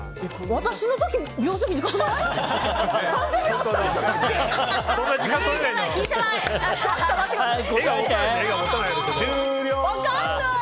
私の時、秒数短くない？